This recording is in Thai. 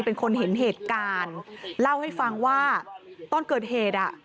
เป็นคนเห็นเหตุการณ์เล่าให้ฟังว่าตอนเกิดเหตุอ่ะ